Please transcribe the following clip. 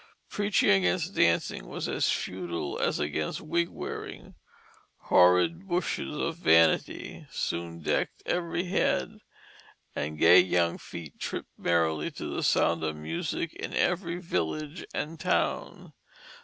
Preaching against dancing was as futile as against wig wearing; "Horrid Bushes of Vanity" soon decked every head, and gay young feet tripped merrily to the sound of music in every village and town.